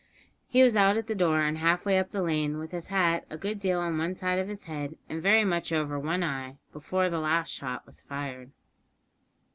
He was out at the door and half way up the lane, with his hat a good deal on one side of his head and very much over one eye, before the last shot was fired.